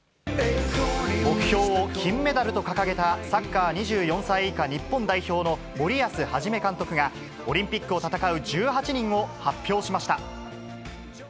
目標を金メダルと掲げたサッカー２４歳以下日本代表の森保一監督が、オリンピックを戦う１８人を発表しました。